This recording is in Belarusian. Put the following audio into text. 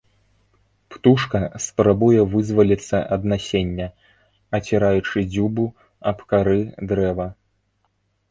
Птушка спрабуе вызваліцца ад насення, аціраючы дзюбу аб кары дрэва.